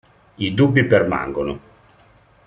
I dubbi permangono.